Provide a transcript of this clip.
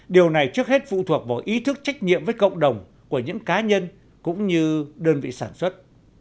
điều này trước hết phụ thuộc vào ý thức trách nhiệm với cộng đồng của những cá nhân cũng như đơn vị sản xuất